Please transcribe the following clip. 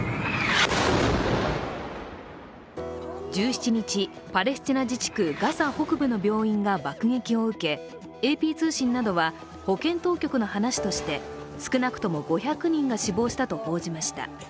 １７日、パレスチナ自治区ガザ北部の病院が爆撃を受けＡＰ通信などは、保健当局の話として少なくとも５００人が死亡したと報じました。